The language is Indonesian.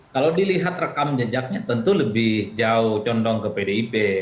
kalau dilihat rekam jejaknya tentu lebih jauh condong ke pdip